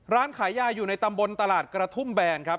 ร้านขายยาอยู่ในตำบลตลาดกระทุ่มแบนครับ